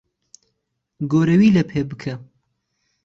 گۆرەوی لەپێ بکە.